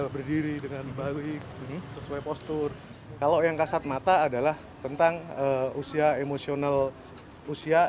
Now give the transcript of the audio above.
berdiri dengan baik sesuai postur kalau yang kasat mata adalah tentang usia emosional usia